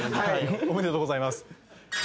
おめでとうございます。